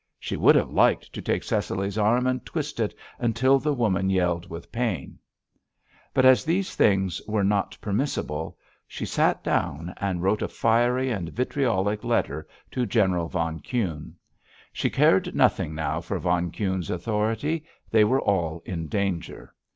She would have liked to take Cecily's arm and twist it until the woman yelled with pain. But as these things were not permissible, she sat down and wrote a fiery and vitriolic letter to General von Kuhne. She cared nothing now for von Kuhne's authority; they were all in danger.